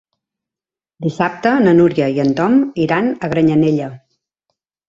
Dissabte na Núria i en Tom iran a Granyanella.